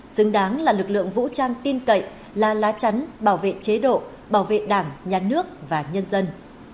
xứng đáng là lực lượng vũ trang tin cậy là lá chắn bảo vệ chế độ bảo vệ đảng nhà nước và nhân dân